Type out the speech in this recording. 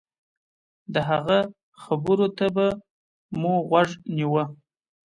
د هغه خبرو ته به مو غوږ نيوه.